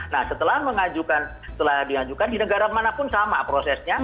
nah setelah mengajukan setelah diajukan di negara mana pun sama prosesnya